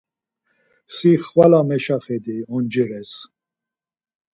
Si xvala meşaxedi oncires.